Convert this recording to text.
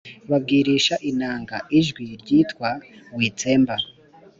babwirisha inanga ijwi ryitwa Witsemba